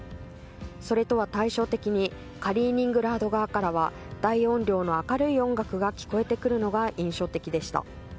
それとは対照的にカリーニングラード側からは大音量の明るい音楽が聞こえてくるのが印象的でした。